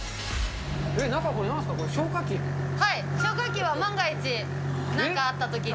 中、消火器は万が一、何かあったときに。